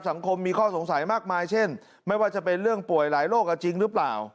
สังคมมีข้อสงสัยมากมายเช่นไม่ว่าจะเป็นเรื่องป่วยหลายโรคจริงหรือเปล่า